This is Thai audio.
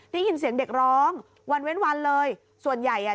ได้ยินเสียงเด็กร้องวันเว้นวันเลยส่วนใหญ่อ่ะ